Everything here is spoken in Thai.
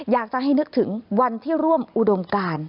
อยากจะให้นึกถึงวันที่ร่วมอุดมการ